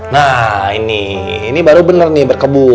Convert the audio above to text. nah ini ini baru bener nih berkebun